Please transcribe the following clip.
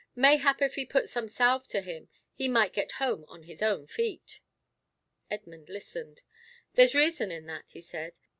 Mayhap if he put some salve to him, he might get home on his own feet." Edmund listened. "There's reason in that," he said.